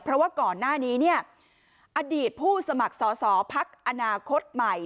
เพราะว่าก่อนหน้านี้เนี่ยอดีตผู้สมัครสอสอพักอนาคตใหม่